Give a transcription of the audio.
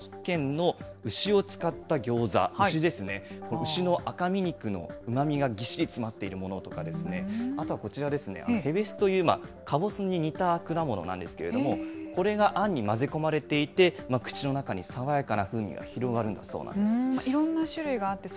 さまざまちょっとありまして、宮崎県の牛を使ったギョーザ、牛ですね、牛の赤身肉のうまみがぎっしり詰まっているものとかですね、あとはこちらですね、ヘベスというカボスに似た果物なんですけれども、これがあんに混ぜ込まれていて、口の中にさわやかな風味が広がるんだそうです。